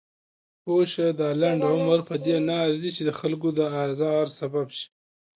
پوهه شه! دا لنډ عمر پدې نه ارزي چې دخلکو د ازار سبب شئ.